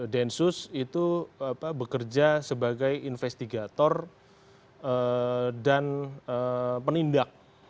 densus itu bekerja sebagai investigator dan penindak